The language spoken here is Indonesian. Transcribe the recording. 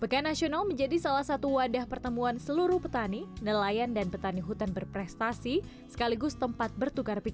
pekan nasional menjadi salah satu wadah pertemuan seluruh petani nelayan dan petani hutan berprestasi sekaligus tempat bertukar pikiran